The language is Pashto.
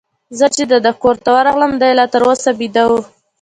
زه چي د ده کور ته ورغلم، دی لا تر اوسه بیده وو.